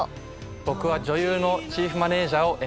僕は女優のチーフマネージャーを演じます。